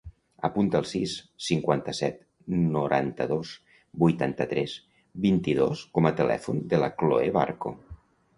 Apunta el sis, cinquanta-set, noranta-dos, vuitanta-tres, vint-i-dos com a telèfon de la Chloé Barco.